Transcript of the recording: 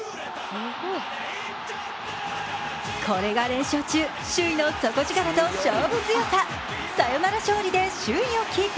これが、連勝中首位の底力と勝負強さサヨナラ勝利で首位をキープ。